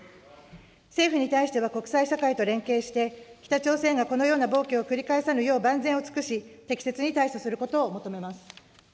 政府に対しては、国際社会と連携して、北朝鮮がこのような暴挙を繰り返さぬよう万全を尽くし、適切に対処することを求めます。